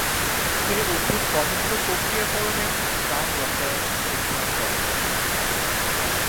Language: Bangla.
তিনি উদ্ভিদে পদার্থ প্রক্রিয়াকরণের প্রাণরসায়ন অধ্যয়ন করেন।